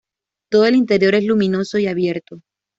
Todo el interior es luminoso y abierto.